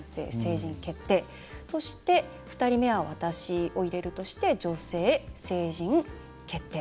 そして、２人目は私を入れるとして女性、成人、決定。